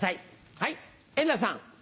はい円楽さん。